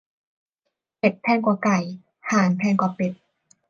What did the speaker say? เป็ดแพงกว่าไก่ ห่านแพงกว่าเป็ด